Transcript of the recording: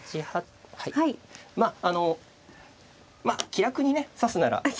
まあ気楽にね指すなら。